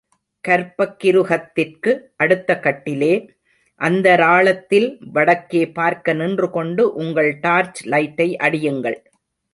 கர்ப்பக்கிருகத்திற்கு அடுத்த கட்டிலே அந்தராளத்தில் வடக்கே பார்க்க நின்றுகொண்டு உங்கள் டார்ச் லைட்டை அடியுங்கள்.